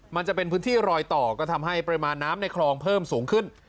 มันจะเป็นพื้นที่รอยต่อก็ทำให้ปริมาณน้ำในคลองเพิ่มสูงขึ้น